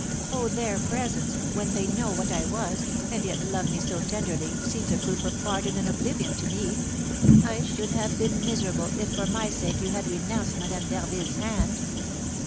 "Oh, their presence, when they know what I was, and yet love me so tenderly, seems a proof of pardon and oblivion to me! I should have been miserable if for my sake you had renounced Madame d'Harville's hand."